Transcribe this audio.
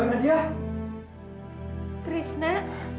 apalagi gitu kita kemudian